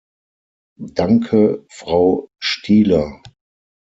Danke, Frau Stihler.